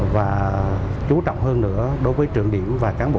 và chú trọng hơn nữa đối với trường điểm và cán bộ